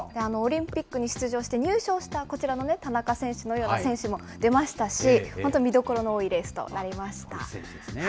オリンピックに出場して入賞したこちらの田中選手のような選手も出ましたし、本当、見どころの多いレースとなりました。